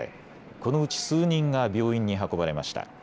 このうち数人が病院に運ばれました。